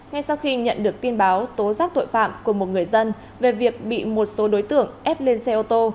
ngay sau khi nhận được tin báo tố giác tội phạm của một người dân về việc bị một số đối tượng ép lên xe ô tô